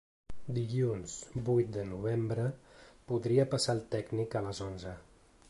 Dilluns vuit de novembre podria passar el tècnic a les onze.